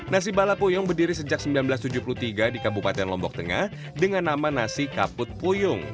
nasi balap puyung berdiri sejak seribu sembilan ratus tujuh puluh tiga di kabupaten lombok tengah dengan nama nasi kaput puyung